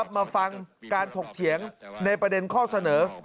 มาฟังการถกเถียงในประเด็นข้อเสนอ